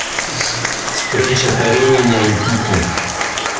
Встреча Карениной и Кити.